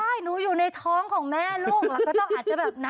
ใช่หนูอยู่ในท้องของแม่ลูกแล้วก็ต้องอาจจะแบบนะ